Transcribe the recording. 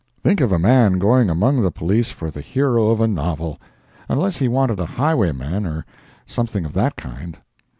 Think of a man going among the police for the hero of a novel!—unless he wanted a highwayman, or something of that kind.